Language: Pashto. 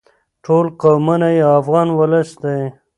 ټول قومونه یو افغان ولس دی.